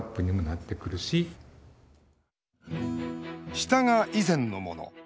下が以前のもの。